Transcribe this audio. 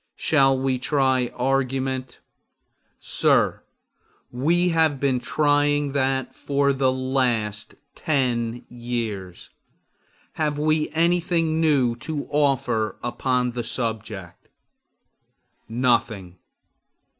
Shall we try argument? Sir, we have been trying that for the last ten years. Have we anything new to offer upon the subject? Nothing.